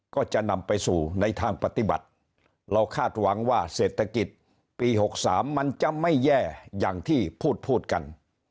ก็จะนำไปสู่ในทางปฏิบัติเราคาดหวังว่าเศรษฐกิจปี๖๓มันจะไม่แย่อย่างที่พูดพูดกัน